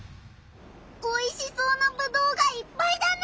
おいしそうなぶどうがいっぱいだな。